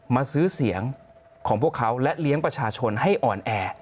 มาซื้อเสียงของพวกเขาและเลี้ยงประชาชนให้อ่อนแอ